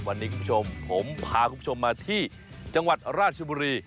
วันนี้คุณผู้ชมผมพาคุณผู้ชมมาที่จังหวัดราชบุรี